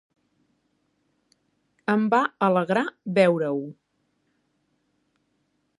Em va alegrar veure-ho.